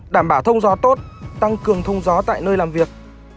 đảm bảo thông gió tốt tăng cường thông gió tại nơi làm việc